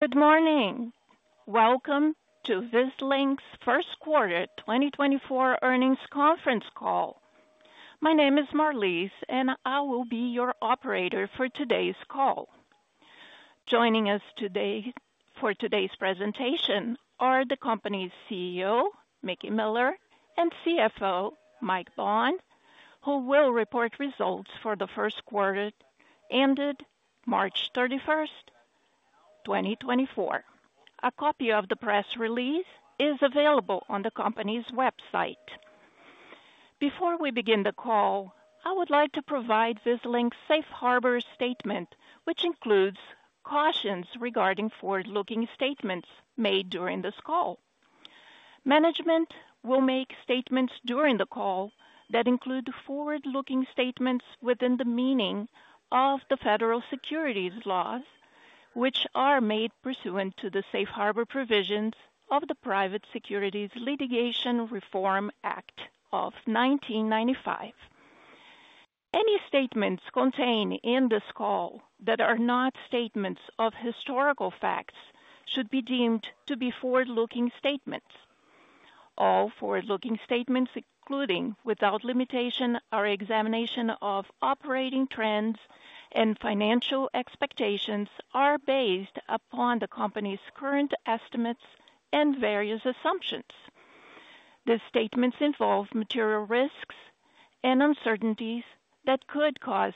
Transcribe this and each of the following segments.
Good morning. Welcome to Vislink's first quarter 2024 Earnings Conference Call. My name is Marlise, and I will be your operator for today's call. Joining us today for today's presentation are the company's CEO, Mickey Miller, and CFO, Mike Bond, who will report results for the first quarter ended March 31st, 2024. A copy of the press release is available on the company's website. Before we begin the call, I would like to provide Vislink's Safe Harbor statement, which includes cautions regarding forward-looking statements made during this call. Management will make statements during the call that include forward-looking statements within the meaning of the federal securities laws, which are made pursuant to the Safe Harbor provisions of the Private Securities Litigation Reform Act of 1995. Any statements contained in this call that are not statements of historical facts should be deemed to be forward-looking statements. All forward-looking statements, including without limitation, our examination of operating trends and financial expectations, are based upon the company's current estimates and various assumptions. The statements involve material risks and uncertainties that could cause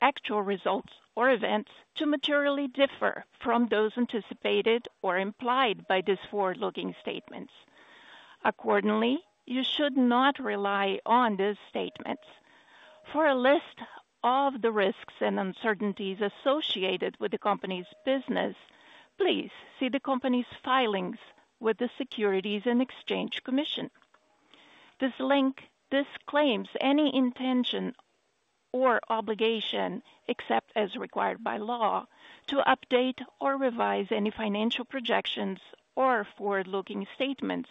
actual results or events to materially differ from those anticipated or implied by these forward-looking statements. Accordingly, you should not rely on these statements. For a list of the risks and uncertainties associated with the company's business, please see the company's filings with the Securities and Exchange Commission. Vislink disclaims any intention or obligation, except as required by law, to update or revise any financial projections or forward-looking statements,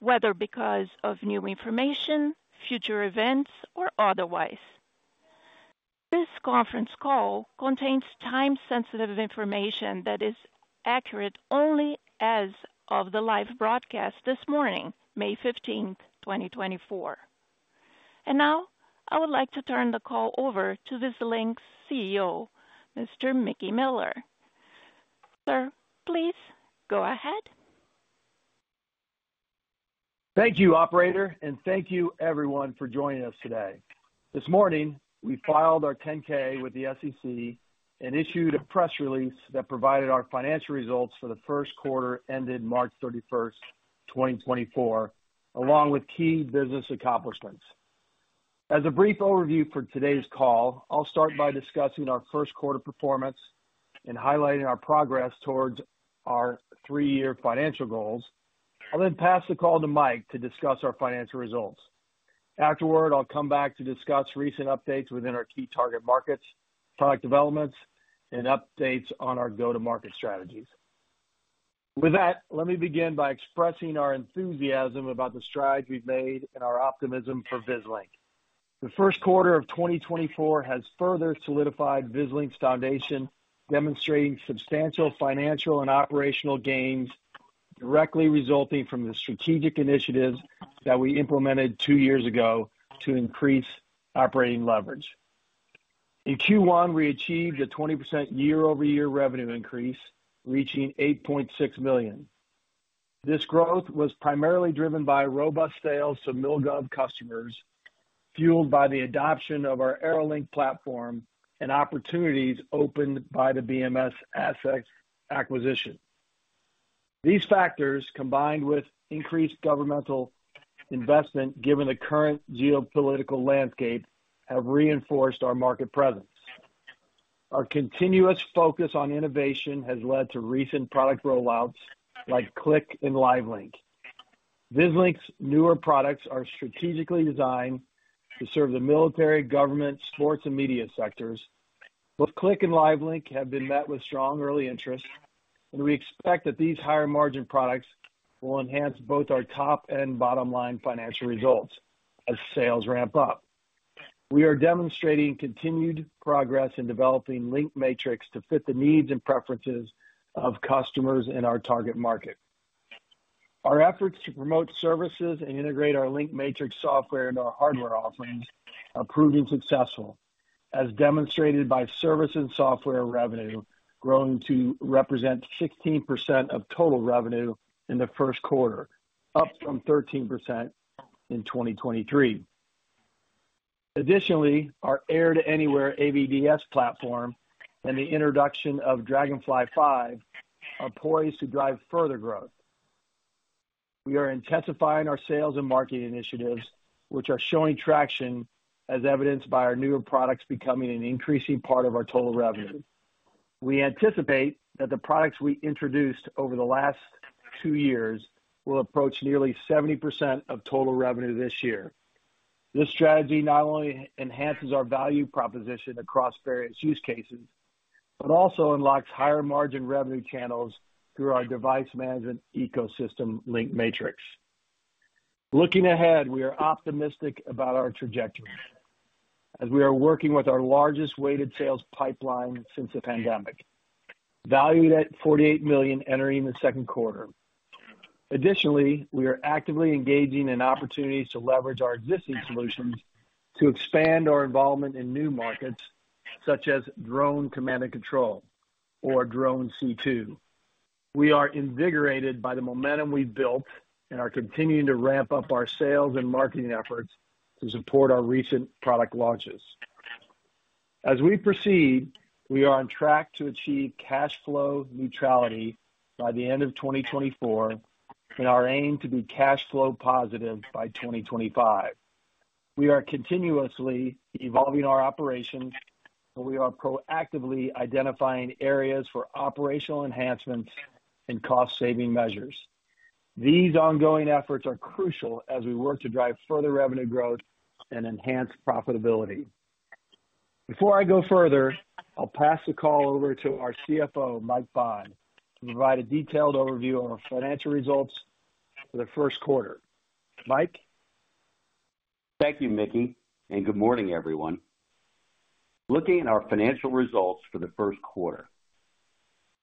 whether because of new information, future events, or otherwise. This conference call contains time-sensitive information that is accurate only as of the live broadcast this morning, May 15th, 2024. Now I would like to turn the call over to Vislink's CEO, Mr. Mickey Miller. Sir, please go ahead. Thank you, operator, and thank you, everyone, for joining us today. This morning, we filed our 10-K with the SEC and issued a press release that provided our financial results for the first quarter ended March 31st, 2024, along with key business accomplishments. As a brief overview for today's call, I'll start by discussing our first quarter performance and highlighting our progress towards our three-year financial goals. I'll then pass the call to Mike to discuss our financial results. Afterward, I'll come back to discuss recent updates within our key target markets, product developments, and updates on our go-to-market strategies. With that, let me begin by expressing our enthusiasm about the strides we've made and our optimism for Vislink. The first quarter of 2024 has further solidified Vislink's foundation, demonstrating substantial financial and operational gains directly resulting from the strategic initiatives that we implemented two years ago to increase operating leverage. In Q1, we achieved a 20% year-over-year revenue increase, reaching $8.6 million. This growth was primarily driven by robust sales to MilGov customers, fueled by the adoption of our AeroLink platform and opportunities opened by the BMS asset acquisition. These factors, combined with increased governmental investment given the current geopolitical landscape, have reinforced our market presence. Our continuous focus on innovation has led to recent product rollouts like Cliq and LiveLink. Vislink's newer products are strategically designed to serve the military, government, sports, and media sectors. Both Cliq and LiveLink have been met with strong early interest, and we expect that these higher-margin products will enhance both our top and bottom-line financial results as sales ramp up. We are demonstrating continued progress in developing LinkMatrix to fit the needs and preferences of customers in our target market. Our efforts to promote services and integrate our LinkMatrix software into our hardware offerings are proving successful, as demonstrated by service and software revenue growing to represent 16% of total revenue in the first quarter, up from 13% in 2023. Additionally, our Air-to-Anywhere AVDS platform and the introduction of DragonFly V are poised to drive further growth. We are intensifying our sales and marketing initiatives, which are showing traction, as evidenced by our newer products becoming an increasing part of our total revenue. We anticipate that the products we introduced over the last two years will approach nearly 70% of total revenue this year. This strategy not only enhances our value proposition across various use cases but also unlocks higher-margin revenue channels through our device management ecosystem LinkMatrix. Looking ahead, we are optimistic about our trajectory as we are working with our largest weighted sales pipeline since the pandemic, valued at $48 million entering the second quarter. Additionally, we are actively engaging in opportunities to leverage our existing solutions to expand our involvement in new markets such as drone command and control, or drone C2. We are invigorated by the momentum we've built and are continuing to ramp up our sales and marketing efforts to support our recent product launches. As we proceed, we are on track to achieve cash flow neutrality by the end of 2024 and our aim to be cash flow positive by 2025. We are continuously evolving our operations, and we are proactively identifying areas for operational enhancements and cost-saving measures. These ongoing efforts are crucial as we work to drive further revenue growth and enhance profitability. Before I go further, I'll pass the call over to our CFO, Mike Bond, to provide a detailed overview of our financial results for the first quarter. Mike? Thank you, Mickey, and good morning, everyone. Looking at our financial results for the first quarter,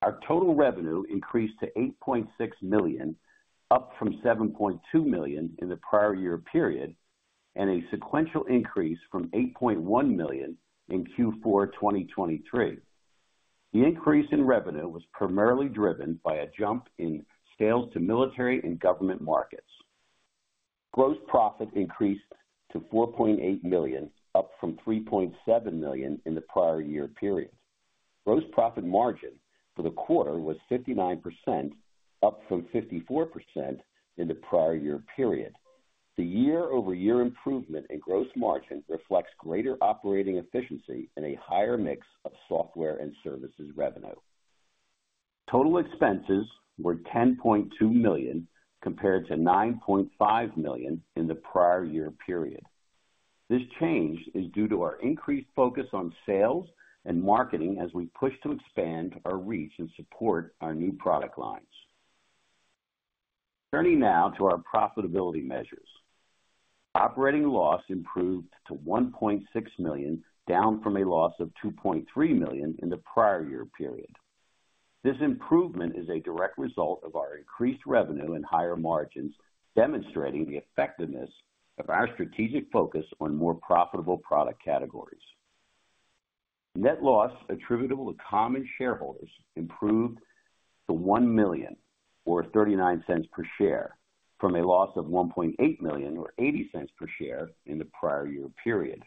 our total revenue increased to $8.6 million, up from $7.2 million in the prior year period, and a sequential increase from $8.1 million in Q4 2023. The increase in revenue was primarily driven by a jump in sales to military and government markets. Gross profit increased to $4.8 million, up from $3.7 million in the prior year period. Gross profit margin for the quarter was 59%, up from 54% in the prior year period. The year-over-year improvement in gross margin reflects greater operating efficiency and a higher mix of software and services revenue. Total expenses were $10.2 million compared to $9.5 million in the prior year period. This change is due to our increased focus on sales and marketing as we push to expand our reach and support our new product lines. Turning now to our profitability measures. Operating loss improved to $1.6 million, down from a loss of $2.3 million in the prior year period. This improvement is a direct result of our increased revenue and higher margins, demonstrating the effectiveness of our strategic focus on more profitable product categories. Net loss attributable to common shareholders improved to $1 million, or $0.39 per share, from a loss of $1.8 million, or $0.80 per share, in the prior year period.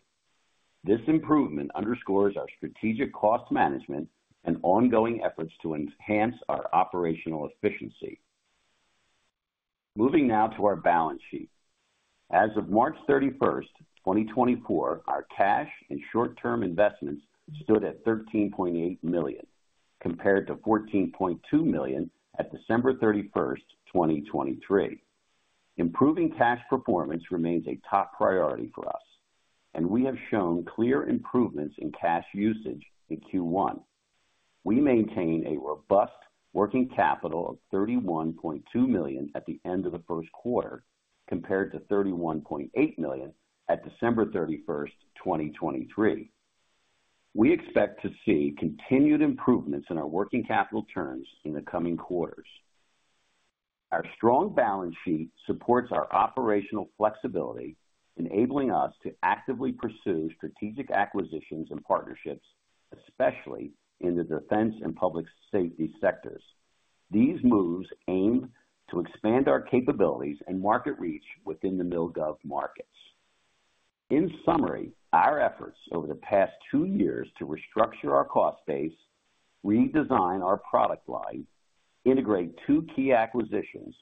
This improvement underscores our strategic cost management and ongoing efforts to enhance our operational efficiency. Moving now to our balance sheet. As of March 31st, 2024, our cash and short-term investments stood at $13.8 million compared to $14.2 million at December 31st, 2023. Improving cash performance remains a top priority for us, and we have shown clear improvements in cash usage in Q1. We maintain a robust working capital of $31.2 million at the end of the first quarter compared to $31.8 million at December 31st, 2023. We expect to see continued improvements in our working capital turns in the coming quarters. Our strong balance sheet supports our operational flexibility, enabling us to actively pursue strategic acquisitions and partnerships, especially in the defense and public safety sectors. These moves aim to expand our capabilities and market reach within the MilGov markets. In summary, our efforts over the past two years to restructure our cost base, redesign our product line, integrate two key acquisitions,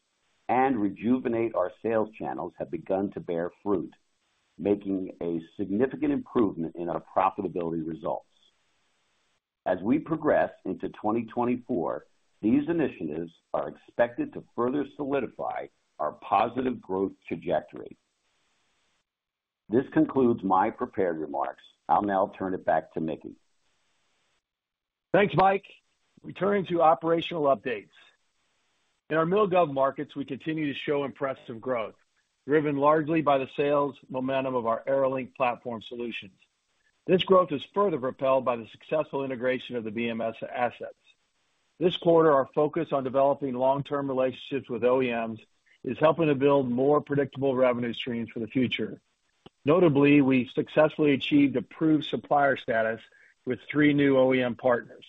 and rejuvenate our sales channels have begun to bear fruit, making a significant improvement in our profitability results. As we progress into 2024, these initiatives are expected to further solidify our positive growth trajectory. This concludes my prepared remarks. I'll now turn it back to Mickey. Thanks, Mike. Returning to operational updates. In our MilGov markets, we continue to show impressive growth, driven largely by the sales momentum of our AeroLink platform solutions. This growth is further propelled by the successful integration of the BMS assets. This quarter, our focus on developing long-term relationships with OEMs is helping to build more predictable revenue streams for the future. Notably, we successfully achieved approved supplier status with three new OEM partners.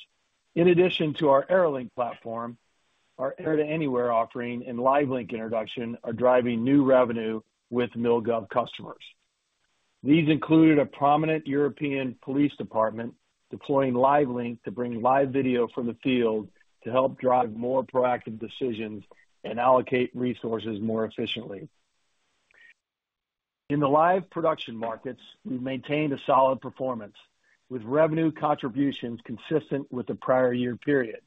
In addition to our AeroLink platform, our Air-to-Anywhere offering and LiveLink introduction are driving new revenue with MilGov customers. These included a prominent European police department deploying LiveLink to bring live video from the field to help drive more proactive decisions and allocate resources more efficiently. In the live production markets, we've maintained a solid performance, with revenue contributions consistent with the prior year period.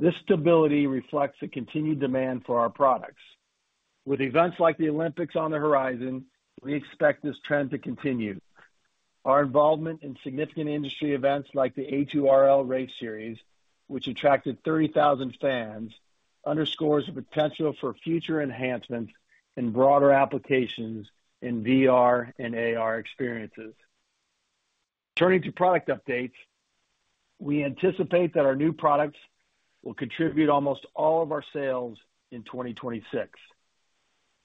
This stability reflects the continued demand for our products. With events like the Olympics on the horizon, we expect this trend to continue. Our involvement in significant industry events like the A2RL Race Series, which attracted 30,000 fans, underscores the potential for future enhancements in broader applications in VR and AR experiences. Turning to product updates, we anticipate that our new products will contribute almost all of our sales in 2026.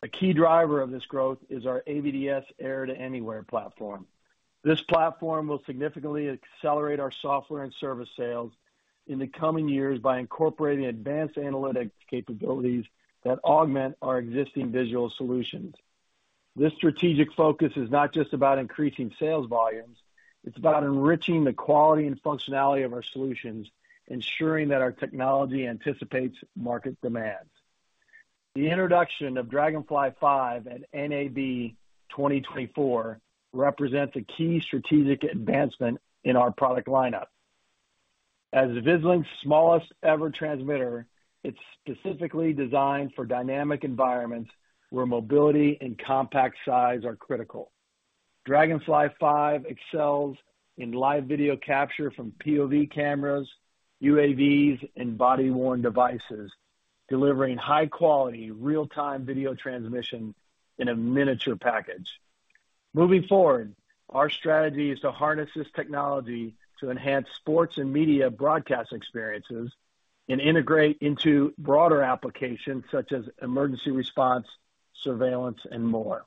A key driver of this growth is our AVDS Air-to-Anywhere platform. This platform will significantly accelerate our software and service sales in the coming years by incorporating advanced analytics capabilities that augment our existing visual solutions. This strategic focus is not just about increasing sales volumes. It's about enriching the quality and functionality of our solutions, ensuring that our technology anticipates market demands. The introduction of DragonFly V at NAB 2024 represents a key strategic advancement in our product lineup. As Vislink's smallest-ever transmitter, it's specifically designed for dynamic environments where mobility and compact size are critical. DragonFly V excels in live video capture from POV cameras, UAVs, and body-worn devices, delivering high-quality, real-time video transmission in a miniature package. Moving forward, our strategy is to harness this technology to enhance sports and media broadcast experiences and integrate into broader applications such as emergency response, surveillance, and more.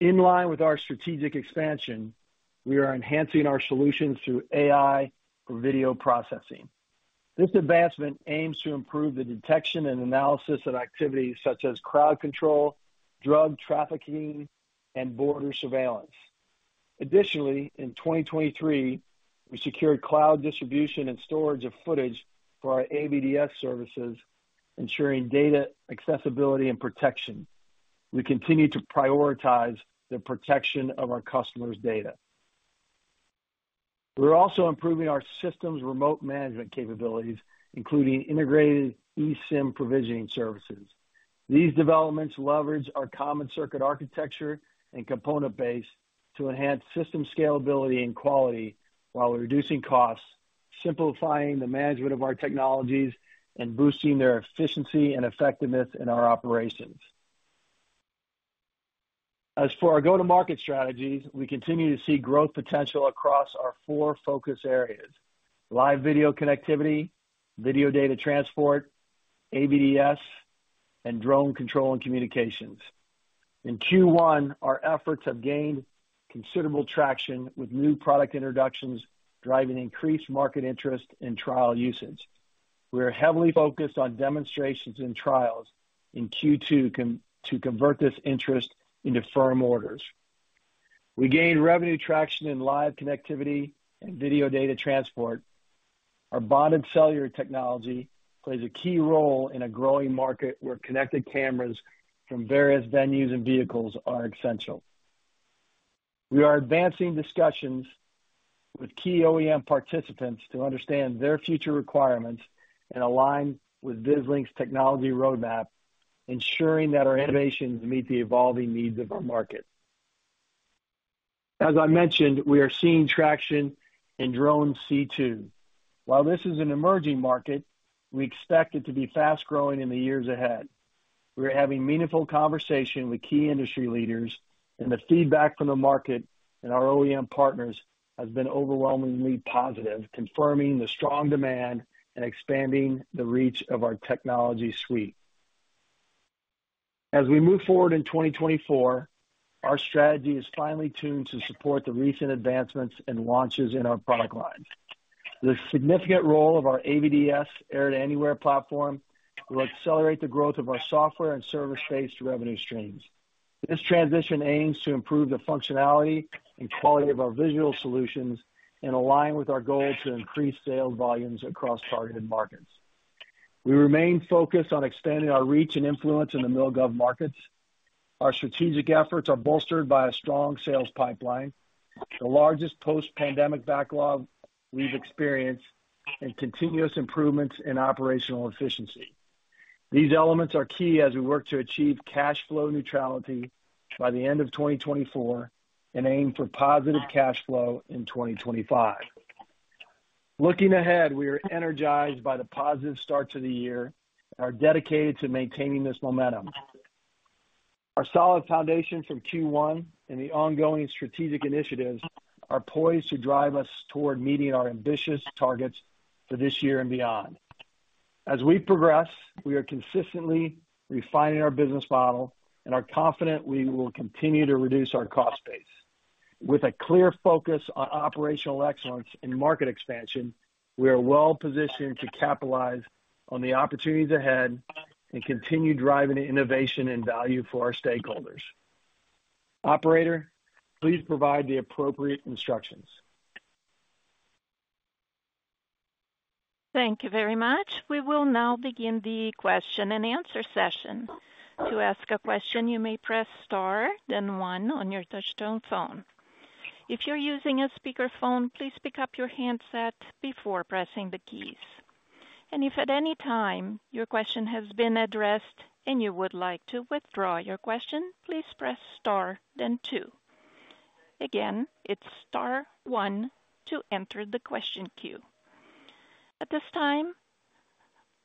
In line with our strategic expansion, we are enhancing our solutions through AI for video processing. This advancement aims to improve the detection and analysis of activities such as crowd control, drug trafficking, and border surveillance. Additionally, in 2023, we secured cloud distribution and storage of footage for our AVDS services, ensuring data accessibility and protection. We continue to prioritize the protection of our customers' data. We're also improving our system's remote management capabilities, including integrated eSIM provisioning services. These developments leverage our common circuit architecture and component base to enhance system scalability and quality while reducing costs, simplifying the management of our technologies, and boosting their efficiency and effectiveness in our operations. As for our go-to-market strategies, we continue to see growth potential across our four focus areas: live video connectivity, video data transport, AVDS, and drone control and communications. In Q1, our efforts have gained considerable traction with new product introductions driving increased market interest in trial usage. We are heavily focused on demonstrations and trials in Q2 to convert this interest into firm orders. We gained revenue traction in live connectivity and video data transport. Our bonded cellular technology plays a key role in a growing market where connected cameras from various venues and vehicles are essential. We are advancing discussions with key OEM participants to understand their future requirements and align with Vislink's technology roadmap, ensuring that our innovations meet the evolving needs of our market. As I mentioned, we are seeing traction in drone C2. While this is an emerging market, we expect it to be fast-growing in the years ahead. We are having meaningful conversation with key industry leaders, and the feedback from the market and our OEM partners has been overwhelmingly positive, confirming the strong demand and expanding the reach of our technology suite. As we move forward in 2024, our strategy is finely tuned to support the recent advancements and launches in our product lines. The significant role of our AVDS Air-to-Anywhere platform will accelerate the growth of our software and service-based revenue streams. This transition aims to improve the functionality and quality of our visual solutions and align with our goal to increase sales volumes across targeted markets. We remain focused on expanding our reach and influence in the MilGov markets. Our strategic efforts are bolstered by a strong sales pipeline, the largest post-pandemic backlog we've experienced, and continuous improvements in operational efficiency. These elements are key as we work to achieve cash flow neutrality by the end of 2024 and aim for positive cash flow in 2025. Looking ahead, we are energized by the positive start to the year and are dedicated to maintaining this momentum. Our solid foundation from Q1 and the ongoing strategic initiatives are poised to drive us toward meeting our ambitious targets for this year and beyond. As we progress, we are consistently refining our business model, and are confident we will continue to reduce our cost base. With a clear focus on operational excellence and market expansion, we are well positioned to capitalize on the opportunities ahead and continue driving innovation and value for our stakeholders. Operator, please provide the appropriate instructions. Thank you very much. We will now begin the question-and-answer session. To ask a question, you may press star, then one, on your touch-tone phone. If you're using a speakerphone, please pick up your handset before pressing the keys. And if at any time your question has been addressed and you would like to withdraw your question, please press star, then two. Again, it's star one to enter the question queue. At this time,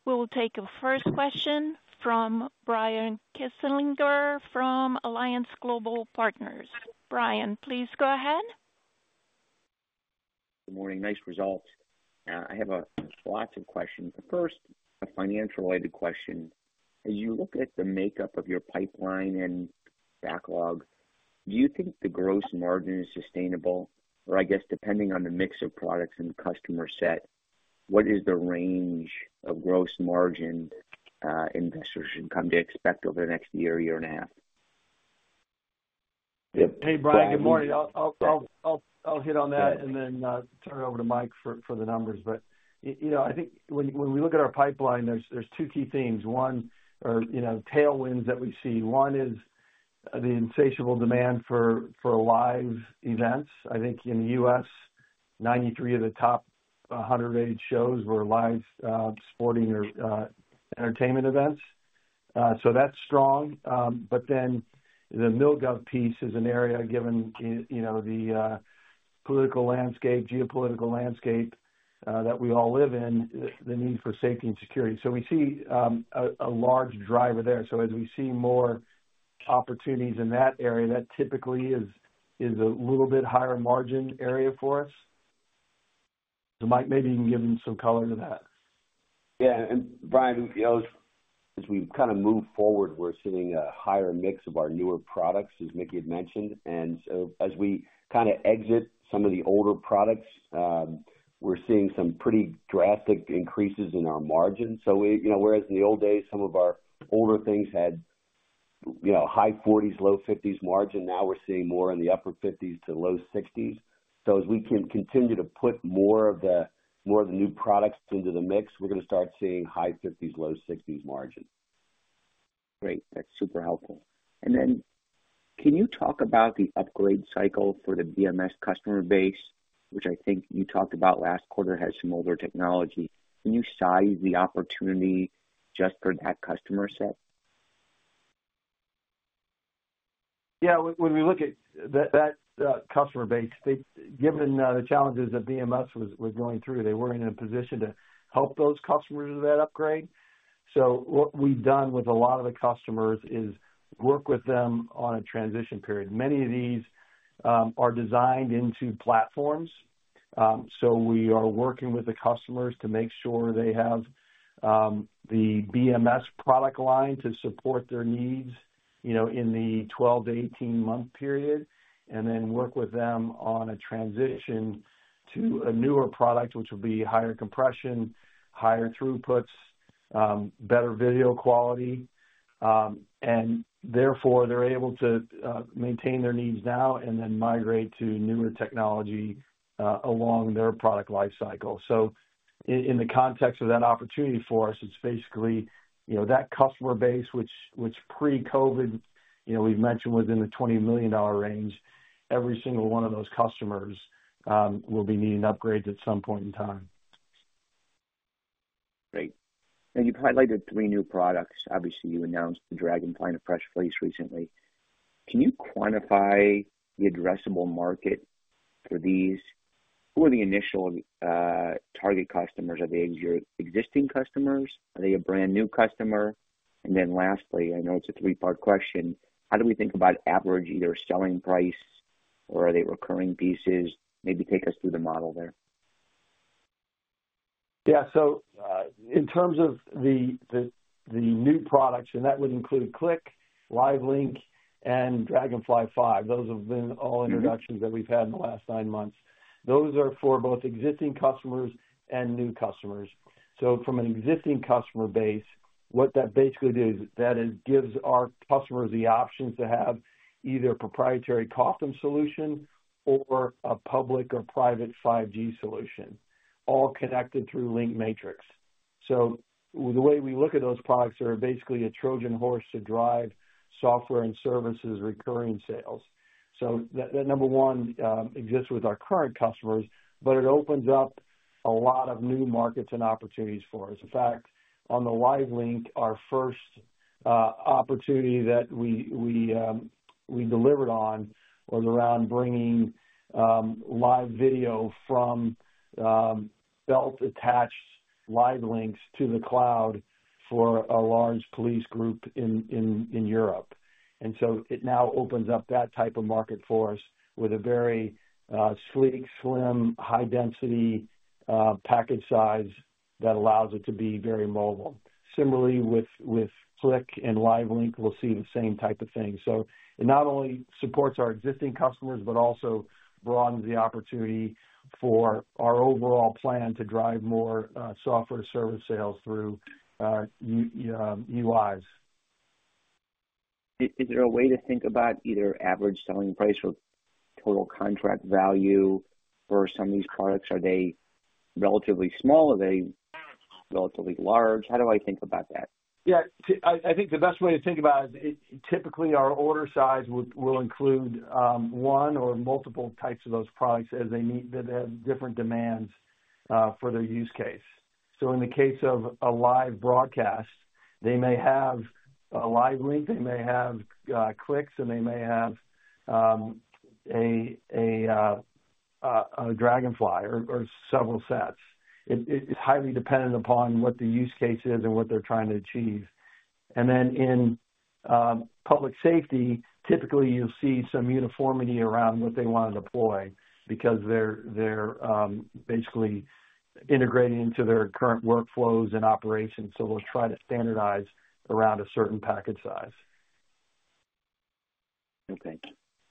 we will take a first question from Brian Kinstlinger from Alliance Global Partners. Brian, please go ahead. Good morning. Nice results. I have lots of questions. The first, a financial-related question. As you look at the makeup of your pipeline and backlog, do you think the gross margin is sustainable? Or I guess, depending on the mix of products and the customer set, what is the range of gross margin investors should come to expect over the next year, year and a half? Yeah. Hey, Brian. Good morning. I'll hit on that and then turn it over to Mike for the numbers. But I think when we look at our pipeline, there's two key themes. One are tailwinds that we see. One is the insatiable demand for live events. I think in the US, 93 of the top 100-rated shows were live sporting or entertainment events. So that's strong. But then the MilGov piece is an area, given the political landscape, geopolitical landscape that we all live in, the need for safety and security. So we see a large driver there. So as we see more opportunities in that area, that typically is a little bit higher margin area for us. So Mike, maybe you can give them some color to that. Yeah. And Brian, as we've kind of moved forward, we're seeing a higher mix of our newer products, as Mickey had mentioned. And as we kind of exit some of the older products, we're seeing some pretty drastic increases in our margins. So whereas in the old days, some of our older things had high 40s, low 50s margin, now we're seeing more in the upper 50s to low 60s. So as we continue to put more of the new products into the mix, we're going to start seeing high 50s, low 60s margins. Great. That's super helpful. And then can you talk about the upgrade cycle for the BMS customer base, which I think you talked about last quarter had some older technology? Can you size the opportunity just for that customer set? Yeah. When we look at that customer base, given the challenges that BMS was going through, they weren't in a position to help those customers with that upgrade. So what we've done with a lot of the customers is work with them on a transition period. Many of these are designed into platforms. So we are working with the customers to make sure they have the BMS product line to support their needs in the 12-18-month period, and then work with them on a transition to a newer product, which will be higher compression, higher throughputs, better video quality. And therefore, they're able to maintain their needs now and then migrate to newer technology along their product life cycle. So in the context of that opportunity for us, it's basically that customer base, which pre-COVID, we've mentioned, was in the $20 million range. Every single one of those customers will be needing upgrades at some point in time. Great. Now, you've highlighted three new products. Obviously, you announced DragonFly in a press release recently. Can you quantify the addressable market for these? Who are the initial target customers? Are they your existing customers? Are they a brand new customer? And then lastly, I know it's a three-part question. How do we think about average either selling price or are they recurring pieces? Maybe take us through the model there. Yeah. So in terms of the new products, and that would include Cliq, LiveLink, and DragonFly V, those have been all introductions that we've had in the last nine months. Those are for both existing customers and new customers. So from an existing customer base, what that basically does is that gives our customers the options to have either a proprietary custom solution or a public or private 5G solution, all connected through LinkMatrix. So the way we look at those products are basically a Trojan horse to drive software and services recurring sales. So that number one exists with our current customers, but it opens up a lot of new markets and opportunities for us. In fact, on the LiveLink, our first opportunity that we delivered on was around bringing live video from belt-attached LiveLinks to the cloud for a large police group in Europe. And so it now opens up that type of market for us with a very sleek, slim, high-density package size that allows it to be very mobile. Similarly, with Cliq and LiveLink, we'll see the same type of thing. So it not only supports our existing customers but also broadens the opportunity for our overall plan to drive more software-to-service sales through UIs. Is there a way to think about either average selling price or total contract value for some of these products? Are they relatively small? Are they relatively large? How do I think about that? Yeah. I think the best way to think about it is typically, our order size will include one or multiple types of those products that have different demands for their use case. So in the case of a live broadcast, they may have a LiveLink, they may have Cliqs, and they may have a DragonFly or several sets. It's highly dependent upon what the use case is and what they're trying to achieve. And then in public safety, typically, you'll see some uniformity around what they want to deploy because they're basically integrating into their current workflows and operations. So they'll try to standardize around a certain package size. Okay.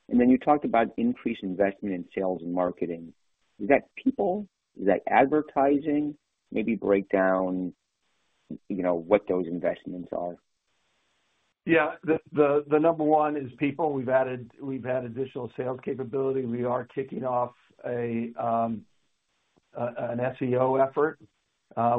And then you talked about increased investment in sales and marketing. Is that people? Is that advertising? Maybe break down what those investments are. Yeah. The number one is people. We've had additional sales capability. We are kicking off an SEO effort,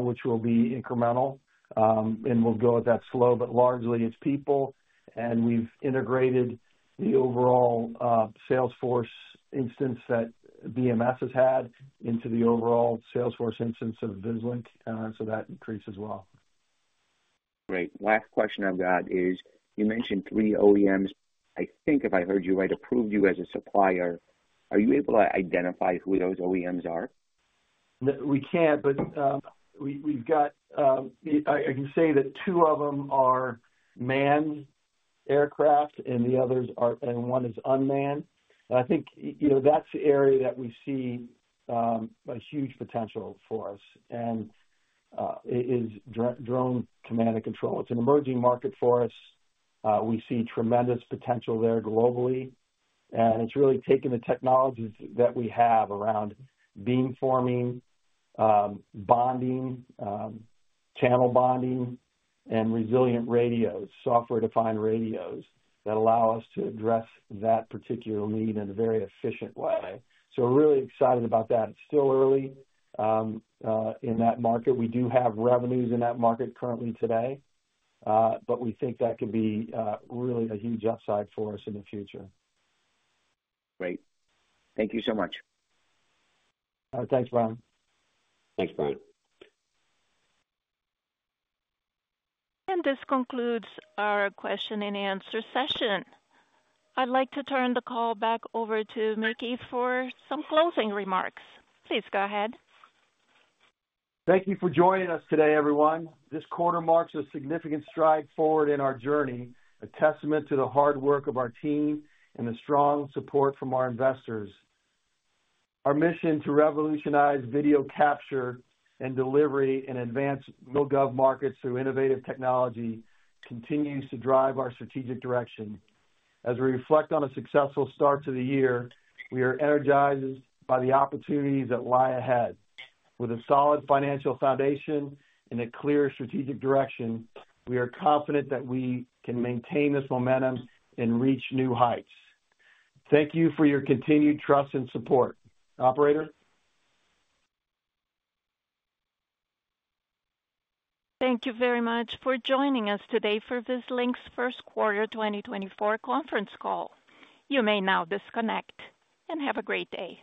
which will be incremental, and we'll go at that slow. But largely, it's people. And we've integrated the overall Salesforce instance that BMS has had into the overall Salesforce instance of Vislink. So that increases well. Great. Last question I've got is you mentioned three OEMs. I think, if I heard you right, approved you as a supplier. Are you able to identify who those OEMs are? We can't, but we've got I can say that two of them are manned aircraft and one is unmanned. And I think that's the area that we see a huge potential for us and is drone command and control. It's an emerging market for us. We see tremendous potential there globally. And it's really taking the technologies that we have around beamforming, channel bonding, and software-defined radios that allow us to address that particular need in a very efficient way. So really excited about that. It's still early in that market. We do have revenues in that market currently today, but we think that could be really a huge upside for us in the future. Great. Thank you so much. Thanks, Brian. Thanks, Brian. This concludes our question-and-answer session. I'd like to turn the call back over to Mickey for some closing remarks. Please go ahead. Thank you for joining us today, everyone. This quarter marks a significant stride forward in our journey, a testament to the hard work of our team and the strong support from our investors. Our mission to revolutionize video capture and delivery in advanced MilGov markets through innovative technology continues to drive our strategic direction. As we reflect on a successful start to the year, we are energized by the opportunities that lie ahead. With a solid financial foundation and a clear strategic direction, we are confident that we can maintain this momentum and reach new heights. Thank you for your continued trust and support. Operator? Thank you very much for joining us today for Vislink's first quarter 2024 conference call. You may now disconnect and have a great day.